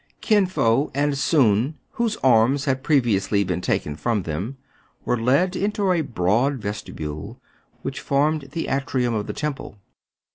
Kin Fo and Soun, whose arms had previously been taken from them, were led into a broad vesti bule, which formed the atrium of the temple.